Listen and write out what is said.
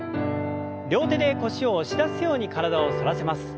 両手で腰を押し出すように体を反らせます。